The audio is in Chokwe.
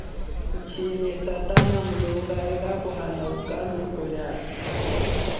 Tuchine satana mumu iye kakuneha ukalu kuli atu.